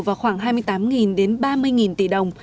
vào khoảng hai mươi tám ba mươi tỷ đồng